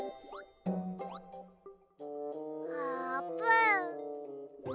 あーぷん。